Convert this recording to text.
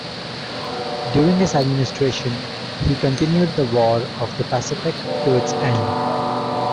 During his administration, he continued the War of the Pacific to its end.